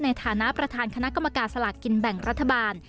ในฐานะประธานคณะกรรมการสลากกินแบ่งรัฐบาล